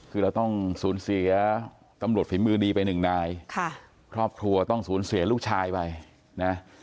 คือเราต้องสูญเสียตำรวจฝีมือดีไปหนึ่งนายค่ะครอบครัวต้องสูญเสียลูกชายไปนะ